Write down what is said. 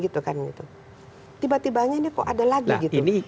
tiba tibanya ini kok ada lagi gitu